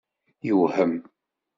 Yewhem?